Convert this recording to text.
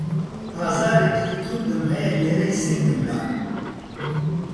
ئازارێکی توندم هەیە لێرەی سنگمدا